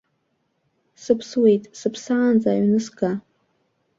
Сыԥсуеит, сыԥсаанӡа аҩны сга.